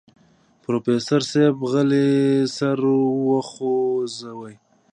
پروفيسر صيب غلی سر وخوځوه.